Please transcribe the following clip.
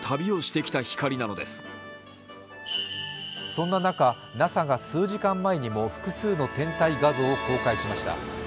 そんな中、ＮＡＳＡが数時間前にも複数の天体画像を公開しました。